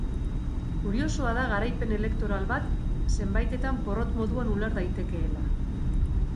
Kuriosoa da garaipen elektoral bat zenbaitetan porrot moduan uler daitekeela.